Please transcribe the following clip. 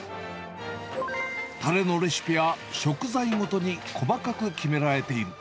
たれのレシピや食材ごとに細かく決められている。